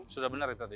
sudah benar ya tadi